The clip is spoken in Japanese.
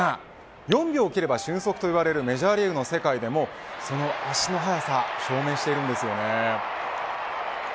４秒を切れば俊足といわれるメジャーリーグの世界でもその足の速さ証明しているんですよね。